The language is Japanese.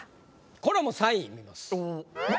これはもう３位見ます。